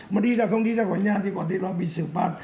mà đi ra không đi ra khỏi nhà thì có thể là bị xử phạt